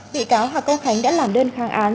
bị cáo hà công khánh đã làm đơn kháng án